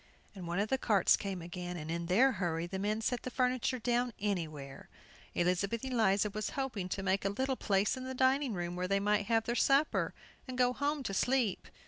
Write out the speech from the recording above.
And one of the carts came again, and in their hurry the men set the furniture down anywhere. Elizabeth Eliza was hoping to make a little place in the dining room, where they might have their supper, and go home to sleep.